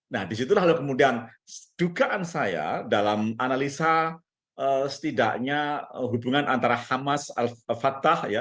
nah disitulah kemudian dugaan saya dalam analisa setidaknya hubungan antara hamas al fattah ya